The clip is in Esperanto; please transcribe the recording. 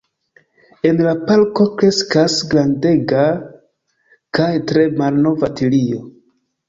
En la parko kreskas grandega kaj tre malnova tilio.